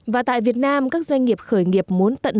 và tại việt nam các doanh nghiệp khởi nghiệp muốn tạo ra một kế hoạch